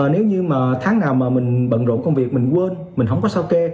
nếu như mà tháng nào mà mình bận rộn công việc mình quên mình không có sao kê